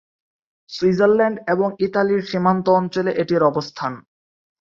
Switzerland এবং ইতালীর সীমান্ত অঞ্চলে এটির অবস্থান।